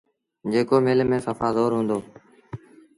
جيڪو مله ميݩ سڦآ زور هُݩدو۔